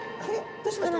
どうしました？